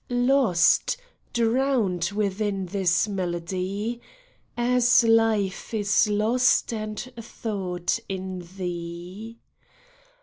Lost, drowned within this melody, As Hfe is lost and thought in thee.